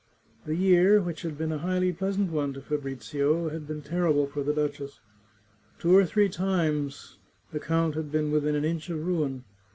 The year, which had been a fairly pleasant one to Fa brizio, had been terrible for the duchess. Two or three times over the count had been within an inch of ruin.